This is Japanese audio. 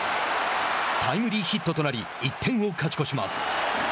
タイムリーヒットとなり１点を勝ち越します。